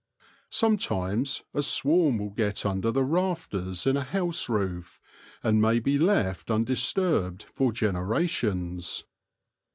Sometimes a swarm will get under the rafters in a house roof, and may be left undis turbed for generations.